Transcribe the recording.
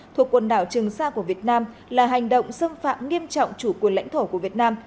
thuộc quần đảo trường sa của việt nam là hành động xâm phạm nghiêm trọng chủ quyền lãnh thổ của việt nam